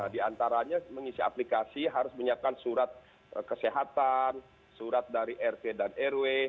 di antaranya mengisi aplikasi harus menyiapkan surat kesehatan surat dari rt dan rw